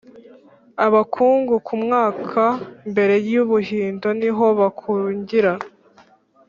Abakungu ku myaka mbere y’umuhindo ni ho bakungira